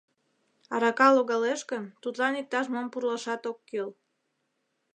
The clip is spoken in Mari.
Арака логалеш гын, тудлан иктаж-мом пурлашат ок кӱл.